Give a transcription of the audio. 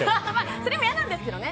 それも嫌なんですけどね。